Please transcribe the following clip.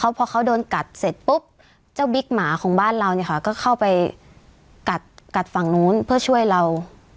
พอเขาโดนกัดเสร็จปุ๊บเจ้าบิ๊กหมาของบ้านเราเนี่ยค่ะก็เข้าไปกัดฝั่งนู้นเพื่อช่วยเรา